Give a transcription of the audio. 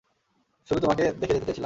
শুধু তোমাকে দেখে যেতে চেয়েছিলাম।